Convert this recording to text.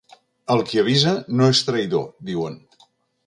El qui avisa no és traïdor, diuen.